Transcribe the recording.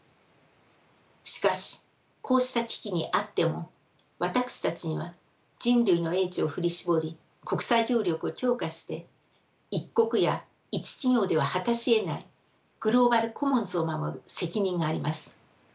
しかしこうした危機にあっても私たちには人類の英知を振り絞り国際協力を強化して一国や一企業では果たしえないグローバル・コモンズを守る責任があります。